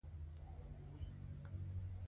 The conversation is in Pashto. وروسته یې کمپنۍ په دې نوم ونومول شوه.